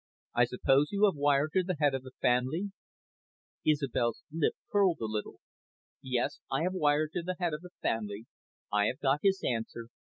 I suppose you have wired to the Head of the Family?" Isobel's lip curled a little. "Yes, I have wired to the Head of the Family. I have got his answer.